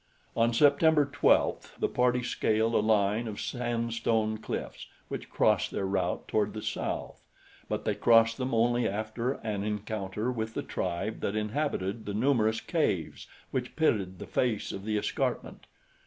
On September twelfth the party scaled a line of sandstone cliffs which crossed their route toward the south; but they crossed them only after an encounter with the tribe that inhabited the numerous caves which pitted the face of the escarpment.